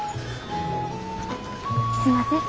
すんません。